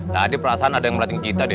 tadi perasaan ada yang melatih kita